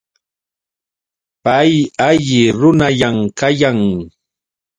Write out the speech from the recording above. Pay alli runallam kayan.